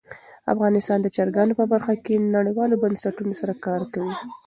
افغانستان د چرګانو په برخه کې نړیوالو بنسټونو سره کار کوي.